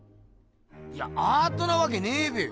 いやアートなわけねえべよ。